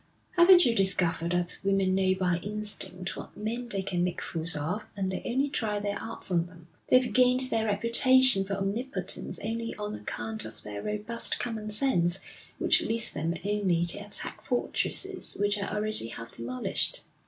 Haven't you discovered that women know by instinct what men they can make fools of, and they only try their arts on them? They've gained their reputation for omnipotence only on account of their robust common sense, which leads them only to attack fortresses which are already half demolished.'